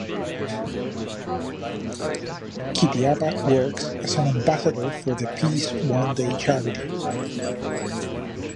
Kidiaba works as an ambassador for the Peace One Day charity.